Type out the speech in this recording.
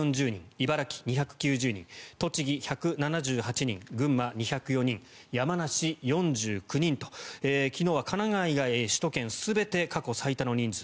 茨城、２９０人栃木、１７８人群馬、２０４人山梨、４９人と昨日は神奈川以外首都圏全て過去最多の人数。